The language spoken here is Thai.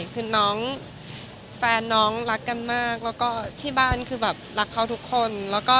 คือน้องแฟนน้องรักกันมากที่บ้านรักเค้าทุกคน